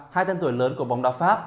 hai tên tuổi lớn của bóng đo pháp